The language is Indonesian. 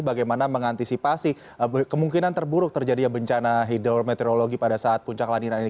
bagaimana mengantisipasi kemungkinan terburuk terjadinya bencana hidrometeorologi pada saat puncak lanina ini